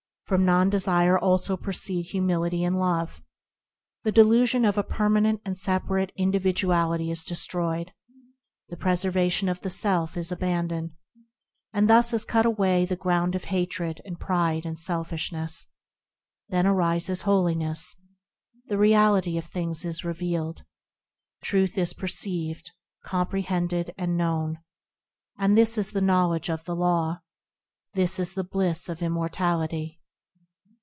From non desire also proceed Humility and Love; The delusion of a permanent and separate individuality is destroyed ; The preservation of the self is abandoned. And thus is cut away the ground of hatred, and pride, and selfishness ; Then arises holiness ; The reality of things is revealed; Truth is perceived, comprehended and known, And this is the knowledge of the Law ; This is the bliss of immortality.